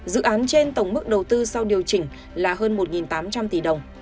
dự án trên tổng mức đầu tư sau điều chỉnh là hơn một tám trăm linh tỷ đồng